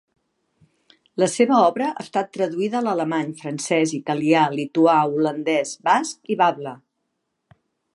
La seva obra ha estat traduïda a l'alemany, francès, italià, lituà, holandès, basc i bable.